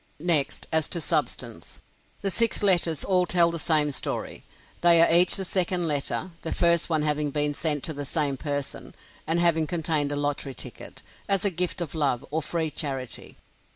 Next, as to substance. The six letters all tell the same story. They are each the second letter; the first one having been sent to the same person, and having contained a lottery ticket, as a gift of love or free charity.